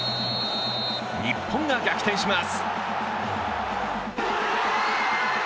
日本が逆転します。